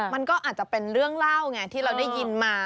มันก็อาจจะเป็นเรื่องเล่าไงที่เราได้ยินมา